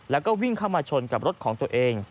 แล้วก็วิ่งเข้ามาชนกับรถของตัวเอง